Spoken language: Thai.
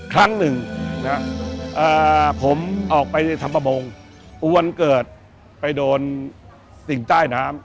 ครั้งหนึ่งผมออกไปทำประมงอุวรรณเกิดไปโดนสิ่งใต้น้ำ